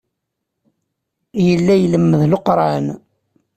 Yella ilemmed Leqran.